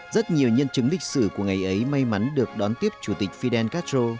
rất nhiều nhân chứng lịch sử của ngày ấy may mắn được đón tiếp chủ tịch fidel castro